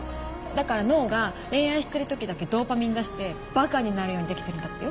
だから脳が恋愛してる時だけドーパミン出してバカになるように出来てるんだってよ。